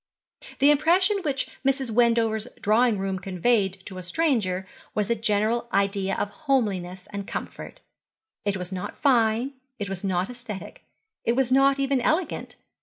The impression which Mrs. Wendover's drawing room conveyed to a stranger was a general idea of homeliness and comfort. It was not fine, it was not aesthetic, it was not even elegant.